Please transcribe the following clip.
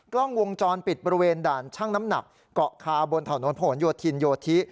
กล้องวงจรปิดบริเวณด่านช่างน้ำหนักเกาะคาบนถนนผนโยธินโยธิ